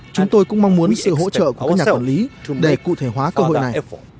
chúng tôi cũng mong muốn sự hỗ trợ của các nhà quản lý để cụ thể hóa cơ hội này